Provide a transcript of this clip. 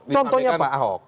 contohnya pak ahok